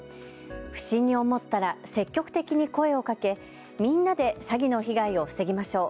不審に思ったら積極的に声をかけみんなで詐欺の被害を防ぎましょう。